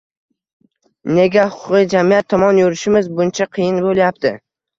Nega huquqiy jamiyat tomon yurishimiz buncha qiyin bo‘lyapti?